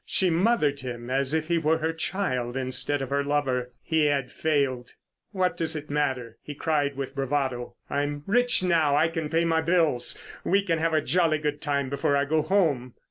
She mothered him as if he were her child instead of her lover. He had failed. "What does it matter?" he cried with bravado. "I'm rich now. I can pay my bills; we can have a jolly good time before I go home."